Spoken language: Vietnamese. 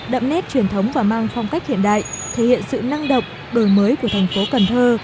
đậm nét truyền thống và mang phong cách hiện đại thể hiện sự năng động đổi mới của thành phố cần thơ